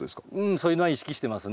そういうのは意識してますね。